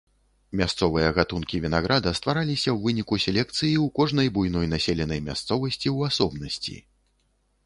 Мясцовыя гатункі вінаграда ствараліся ў выніку селекцыі ў кожнай буйной населенай мясцовасці ў асобнасці.